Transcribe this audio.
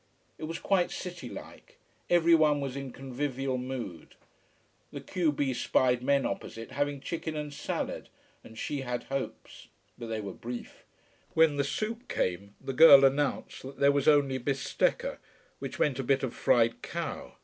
It was quite city like. Everyone was in convivial mood. The q b spied men opposite having chicken and salad and she had hopes. But they were brief. When the soup came, the girl announced that there was only bistecca: which meant a bit of fried cow.